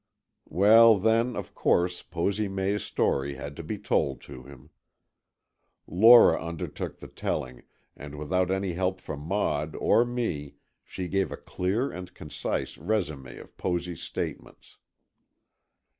Well, then, of course, Posy May's story had to be told to him. Lora undertook the telling, and without any help from Maud or me, she gave a clear and concise résumé of Posy's statements.